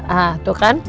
hah tuh kan